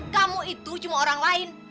kamu itu cuma orang lain